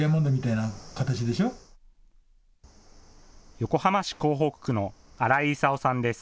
横浜市港北区の新井勲さんです。